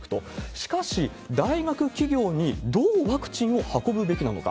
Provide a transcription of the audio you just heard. しかし、大学、企業にどうワクチンを運ぶべきなのか。